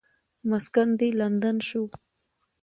مسکن دې لندن شو.